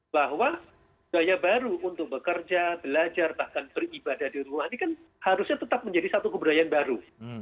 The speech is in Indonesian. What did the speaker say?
bahwa budaya baru untuk bekerja belajar bahkan beribadah di rumah ini kan harusnya tetap menjadi satu kebudayaan baru